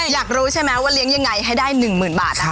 อยากรู้ใช่งั้วว่าเลี้ยงยังไงให้ได้หมื่นหมื่นบาทครับ